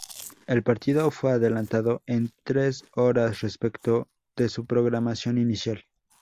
El partido fue adelantado en tres horas respecto de su programación inicial.